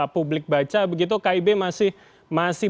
publik baca begitu kib masih